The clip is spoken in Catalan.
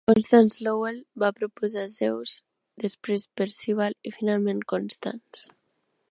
Constance Lowell va proposar "Zeus", després "Percival" i finalment "Constance".